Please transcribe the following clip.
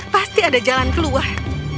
pasti ada jalan keluar